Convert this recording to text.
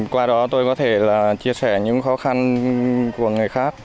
qua đó tôi có thể chia sẻ những khó khăn của người khác